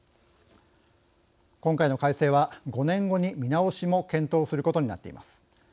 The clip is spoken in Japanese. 今回の改正は５年後に見直しも検討することになっています。